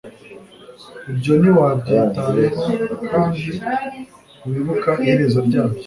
ibyo ntiwabyitayeho kandi ntiwibuka iherezo ryabyo